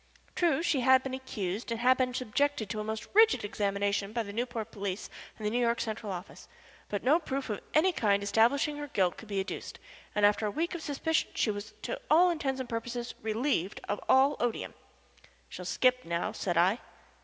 True, she had been accused, and had been subjected to a most rigid examination by the Newport police and the New York Central Office, but no proof of any kind establishing her guilt could be adduced, and after a week of suspicion she was to all intents and purposes relieved of all odium. "She'll skip now," said I.